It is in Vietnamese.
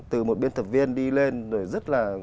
từ một biên tập viên đi lên rồi rất là